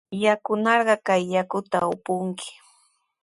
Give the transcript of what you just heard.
Yanunarqa kay yaku upunki.